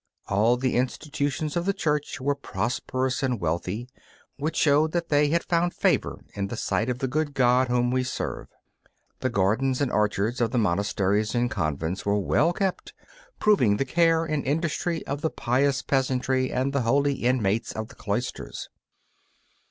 All the institutions of the Church were prosperous and wealthy, which showed that they had found favour in the sight of the good God whom we serve. The gardens and orchards of the monasteries and convents were well kept, proving the care and industry of the pious peasantry and the holy inmates of the cloisters.